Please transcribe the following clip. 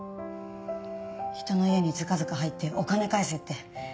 人の家にずかずか入ってお金返せって。